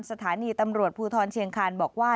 สถานีตำรวจภูทรเชียงคานบอกว่า